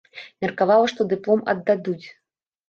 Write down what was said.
Меркавала, што дыплом аддадуць.